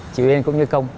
chị uyên cũng như công